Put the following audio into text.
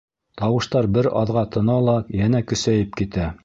Тауыштар бер аҙға тына ла йәнә көсәйеп китә.